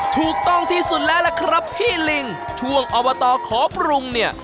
ถูกต้องที่สุดแล้วล่ะครับพี่ลิงช่วงอบตขอปรุงเนี่ย